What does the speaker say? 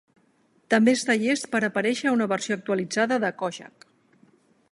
També està llest per aparèixer a una versió actualitzada de "Kojak".